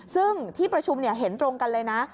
ซึ่งที่ประชุมเห็นตรงกันเลยนะ